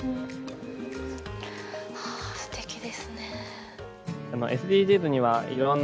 はあすてきですね。